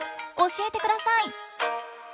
教えてください！